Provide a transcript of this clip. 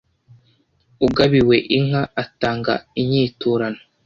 Ugabiwe inka atanga inyiturano